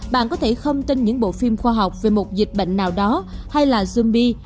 bạn có thể không tin những bộ phim khoa học về một dịch bệnh nào đó hay là zoombe